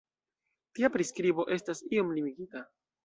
Tia priskribo estas iom limigita.